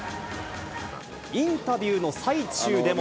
インタビューの最中でも。